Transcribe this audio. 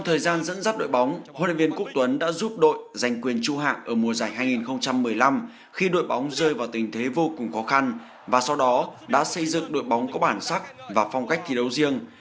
hội luyện viên quốc tuấn đã giúp đội giành quyền tru hạng ở mùa giải hai nghìn một mươi năm khi đội bóng rơi vào tình thế vô cùng khó khăn và sau đó đã xây dựng đội bóng có bản sắc và phong cách thi đấu riêng